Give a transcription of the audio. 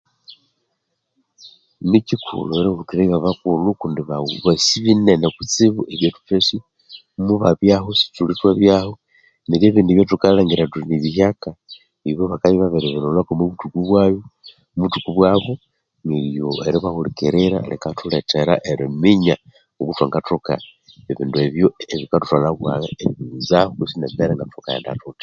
Nikyikulhu erihulikirira ebya bakulhu kundi basi binene kutsibu ebya thuthasi, mubabyahu isithuli thwabyaho, neryo ebindi ebyathukalhangira thuthi nibihyaka ibo bakabya ibabiri bilholhako omubuthuku bwabyo, omubuthuku bwabu, neryo ibahulikirira likathulethera eriminya ngoku thwangathoka ebindu ebyo ebikathuthwalha bwagha eribighunzaho kutse nembere ngathukaghenda thuthi